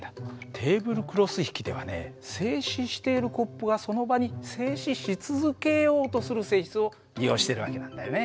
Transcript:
テーブルクロス引きではね静止しているコップがその場に静止し続けようとする性質を利用している訳なんだよね。